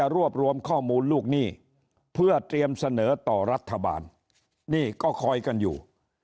รวบรวมข้อมูลลูกหนี้เพื่อเตรียมเสนอต่อรัฐบาลนี่ก็คอยกันอยู่